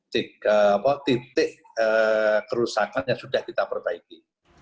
tiga titik kerusakan yang sudah kita perbaiki